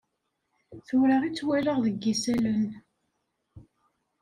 Tura i tt-walaɣ deg isallen.